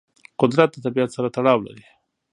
قدرت د طبیعت سره تړاو لري.